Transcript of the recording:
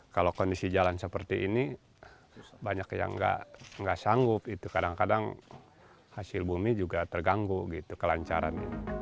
kalau kondisi jalan seperti ini banyak yang nggak sanggup itu kadang kadang hasil bumi juga terganggu gitu kelancaran